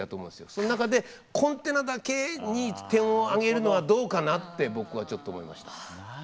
その中でコンテナだけに点をあげるのはどうかなって僕はちょっと思いました。